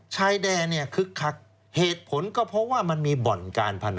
ชายแดนเนี่ยคึกคักเหตุผลก็เพราะว่ามันมีบ่อนการพนัน